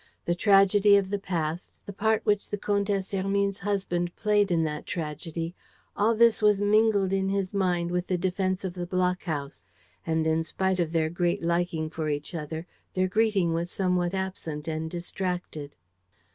The tragedy of the past, the part which the Comtesse Hermine's husband played in that tragedy: all this was mingled in his mind with the defense of the block house. And, in spite of their great liking for each other, their greeting was somewhat absent and distracted.